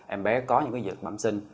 em bé có những dị tật bẩm sinh